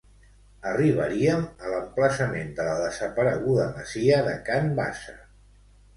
arribaríem a l'emplaçament de la desapareguda masia de can Bassa